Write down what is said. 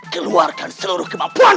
keluarkan seluruh kemampuan